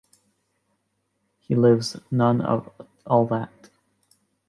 He lives none of all that.